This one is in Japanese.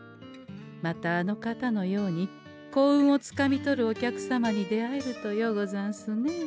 またあの方のように幸運をつかみ取るお客様に出会えるとようござんすね。